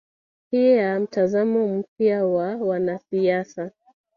pia mtazamo mpya wa wanasiasa